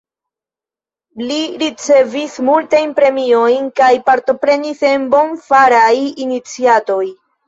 Li ricevis multajn premiojn kaj partoprenis en bonfaraj iniciatoj.